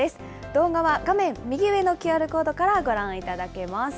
動画は画面右上のＱＲコードからご覧いただけます。